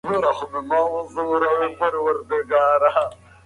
موسکا زړه پياوړی کوي